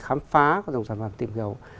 khám phá có dòng sản phẩm tìm hiểu